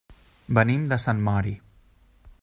Venim de Sant Mori.